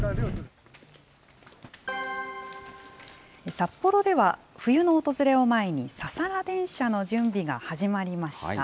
札幌では冬の訪れを前に、ササラ電車の準備が始まりました。